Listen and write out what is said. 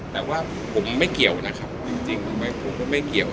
แต่ว่าผมไม่เกี่ยวนะครับจริงผมก็ไม่เกี่ยว